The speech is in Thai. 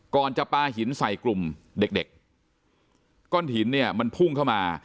ก่อนจะปลาหินใส่กลุ่มเด็กก้อนหินมันพุ่งเข้ามา